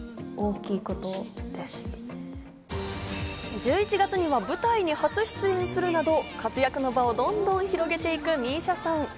１１月には舞台に初出演するなど活躍の場をどんどん広げていく美依紗さん。